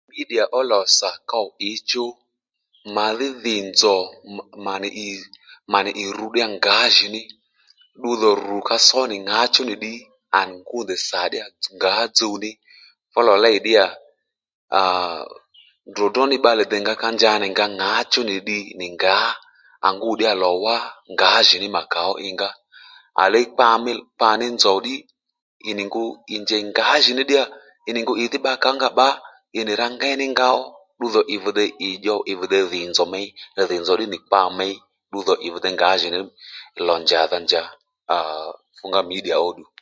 Mídiyà ó lò sà ków ǐchú màdhí dhì nzòw mà nì ì rǔ ddíya ngǎjìní ddudho rù ka só nì ŋǎchú nì ddiy ngû ndèy sà ddí yà ngǎ dzuw ní fú lò lêy ddí yà aa ddròddró ni bbalè dè nga ka nja nì nga ŋǎchú nì ddiy nì ngǎ à ngû ddí yà lò wá ngǎjì ní mà kà ó inga à ley kpa mí kpa mí nzòw ddí ì nì ngu `i njěy ngǎjì ní ddí ddí yà ì nì ngu ì dhí bbakà ó nga bba ì nì rǎ ngéy nì nga ó ddudho ì vùdey ì dyòw ì vùdey dhì nzòw mey dhì nzòw ddí nì kpa měy ddudhò ì vi dey ngǎjì ní lò njà dha njǎ aa fu nga midiya ó ddù